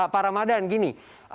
pak ramadhan gini